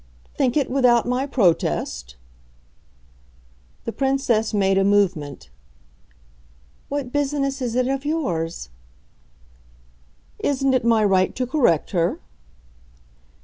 "Think it without my protest ?" The Princess made a movement. "What business is it of yours?" "Isn't it my right to correct her